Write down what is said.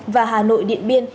và hà nội điện biên